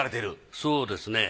そうですね。